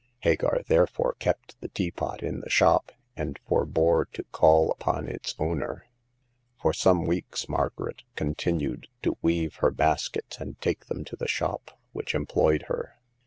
Hagar therefore kept the teapot in the shop, and forbore to call upon its owner. For some weeks Margaret continued to weave her baskets and take them to the shop which em ployed her.